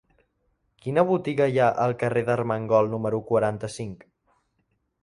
Quina botiga hi ha al carrer d'Armengol número quaranta-cinc?